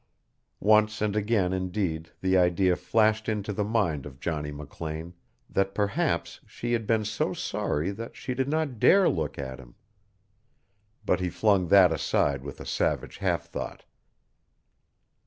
Once and again indeed the idea flashed into the mind of Johnny McLean that perhaps she had been so sorry that she did not dare look at him. But he flung that aside with a savage half thought.